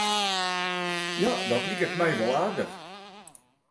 Ja, dat liket my wol aardich.